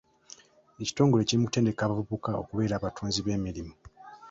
Ekitongole kiri mu kutendeka abavubuka okubeera abatonzi b'emirimu .